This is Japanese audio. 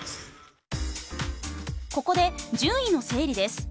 ここで順位の整理です。